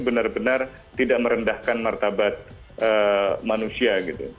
benar benar tidak merendahkan martabat manusia gitu